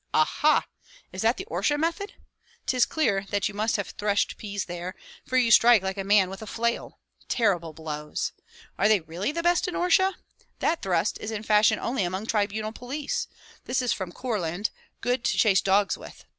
Ah, ha! is that the Orsha method? 'Tis clear that you must have threshed peas there, for you strike like a man with a flail. Terrible blows! Are they really the best in Orsha? That thrust is in fashion only among tribunal police. This is from Courland, good to chase dogs with.